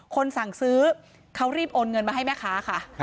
สั่งซื้อเขารีบโอนเงินมาให้แม่ค้าค่ะ